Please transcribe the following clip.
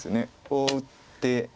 こう打って。